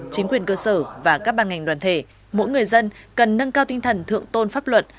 chính quyền cơ sở và các ban ngành đoàn thể mỗi người dân cần nâng cao tinh thần thượng tôn pháp luật